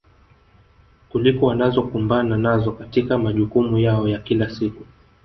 kuliko wanazokumbana nazo katika majukumu yao ya kila siku